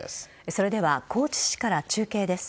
それでは高知市から中継です。